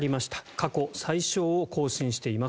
過去最少を更新しています。